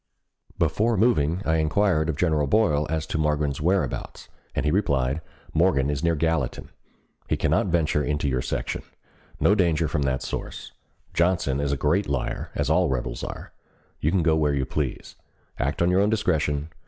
Before moving, I inquired of General Boyle as to Morgan's whereabouts, and he replied: "Morgan is near Gallatin. He cannot venture into your section. No danger from that source. Johnson is a great liar, as all rebels are. You can go where you please. Act on your own discretion.